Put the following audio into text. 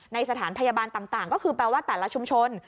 สถานพยาบาลต่างก็คือแปลว่าแต่ละชุมชน